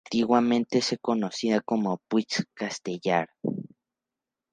Antiguamente se conocía como Puig Castellar.